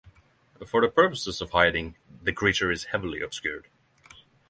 For the purpose of hiding, the creature is heavily obscured.